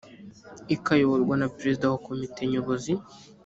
ikayoborwa na perezida wa komite nyobozi